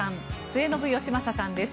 末延吉正さんです。